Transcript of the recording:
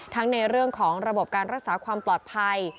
ในเรื่องของระบบการรักษาความปลอดภัย